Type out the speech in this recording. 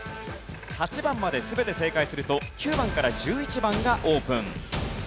８番まで全て正解すると９番から１１番がオープン。